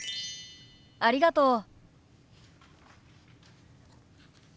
ありがとう。